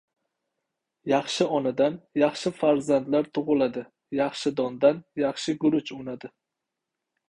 • Yaxshi onadan yaxshi farzandlar tug‘iladi, yaxshi dondan yaxshi guruch unadi.